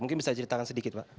mungkin bisa ceritakan sedikit pak